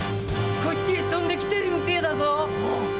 こっちへ飛んできてるみてえだぞ！